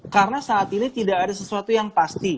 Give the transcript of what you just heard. karena saat ini tidak ada sesuatu yang pasti